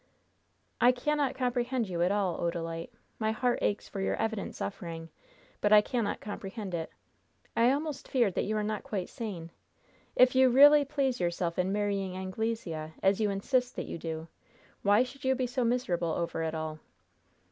"I cannot comprehend you at all, Odalite. My heart aches for your evident suffering; but I cannot comprehend it. I almost fear that you are not quite sane! If you really please yourself in marrying Anglesea as you insist that you do why should you be so miserable over it all?"